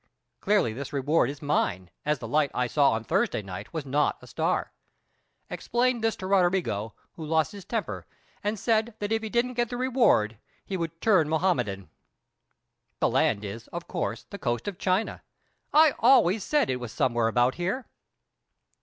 Clearly this reward is mine, as the light I saw on Thursday night was not a star. Explained this to Roderigo, who lost his temper, and said that if he didn't get the reward he would turn Mahommedan. The land is, of course, the coast of China. I always said it was somewhere about here.